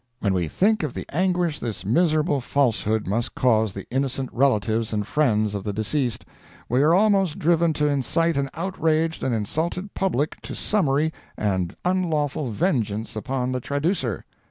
When we think of the anguish this miserable falsehood must cause the innocent relatives and friends of the deceased, we are almost driven to incite an outraged and insulted public to summary and unlawful vengeance upon the traducer.